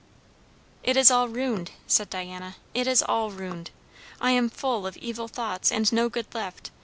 "It is all ruined," said Diana; "it is all ruined. I am full of evil thoughts, and no good left.